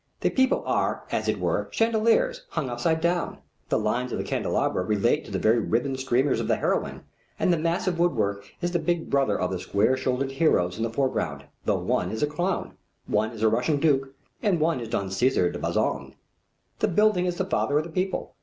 The people are as it were chandeliers, hung lower down. The lines of the candelabra relate to the very ribbon streamers of the heroine, and the massive wood work is the big brother of the square shouldered heroes in the foreground, though one is a clown, one is a Russian Duke, and one is Don Cæsar De Bazan. The building is the father of the people.